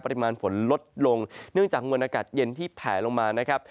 ปริมาณฝนลดลงเนื่องจากมวลอากาศเย็นที่แผลลงมานะครับ